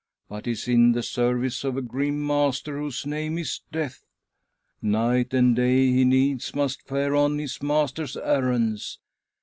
but is in the service of a grim master whose name is Death. Night and day he needs must fare on his master's errands.